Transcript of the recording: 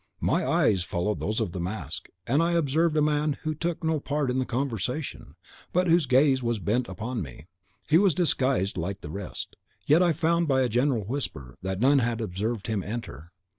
"My eyes followed those of the mask, and I observed a man who took no part in the conversation, but whose gaze was bent upon me. He was disguised like the rest, yet I found by a general whisper that none had observed him enter.